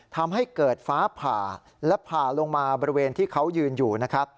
ทำให้เกิดฟ้าผ่าและผ่าลงมาบริเวณที่เขายืนอยู่นะครับ